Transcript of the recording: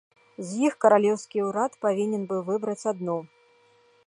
З іх каралеўскі ўрад павінен быў выбраць адну.